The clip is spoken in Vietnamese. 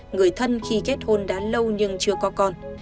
người thân khi kết hôn đã lâu nhưng chưa có con